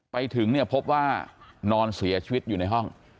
ไปถึงเนี่ยพบว่านอนเสียชีวิตอยู่ในห้อง